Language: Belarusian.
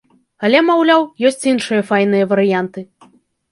Але, маўляў, ёсць іншыя файныя варыянты.